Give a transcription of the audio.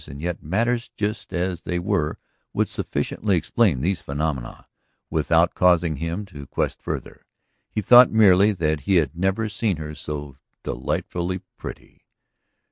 And yet matters just as they were would sufficiently explain these phenomena without causing him to quest farther. He thought merely that he had never seen her so delightfully pretty.